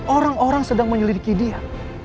orang orang sedang menyelidiki dia